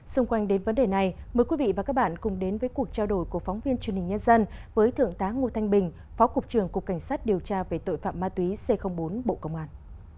xung quanh đến vấn đề này mời quý vị và các bạn cùng đến với cuộc trao đổi của phóng viên truyền hình nhân dân với thượng tá ngô thanh bình phó cục trưởng cục cảnh sát điều tra về tội phạm ma túy c bốn bộ công an